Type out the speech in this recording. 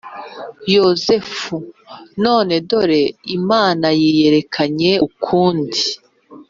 yozefu none dore imana yiyerekanye ukundi